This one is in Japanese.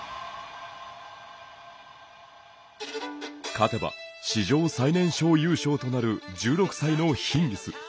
勝てば、史上最年少優勝となる１６歳のヒンギス。